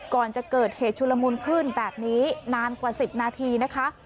ก่อนจะเกิดเหตุชุลมุนขึ้นแบบนี้นานกว่า๑๐นาทีนะคะ